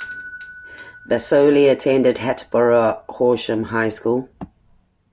Vasoli attended Hatboro-Horsham High School.